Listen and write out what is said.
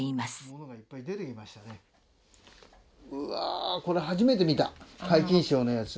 うわこれ初めて見た皆勤賞のやつ。